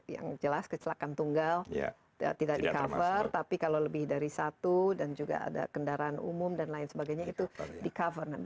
yang jelas kecelakaan tunggal tidak di cover tapi kalau lebih dari satu dan juga ada kendaraan umum dan lain sebagainya itu di cover nanti